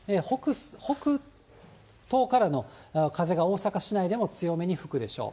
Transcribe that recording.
北東からの風が大阪市内でも強めに吹くでしょう。